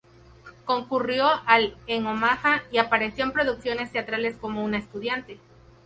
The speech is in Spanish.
Concurrió al en Omaha y apareció en producciones teatrales como una estudiante.